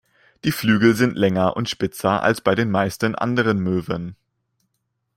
Die Flügel sind länger und spitzer als bei den meisten anderen Möwen.